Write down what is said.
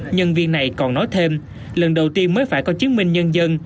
nhân viên này còn nói thêm lần đầu tiên mới phải có chứng minh nhân dân